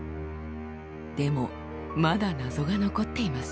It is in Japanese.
でもまだ謎が残っています。